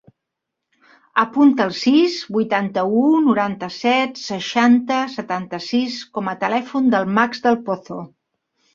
Apunta el sis, vuitanta-u, noranta-set, seixanta, setanta-sis com a telèfon del Max Del Pozo.